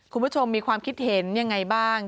คุณผู้ชมมีความคิดเห็นยังไงบ้าง